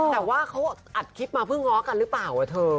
แต่ว่าเขาอัดคลิปมาเพิ่งง้อกันหรือเปล่าเธอ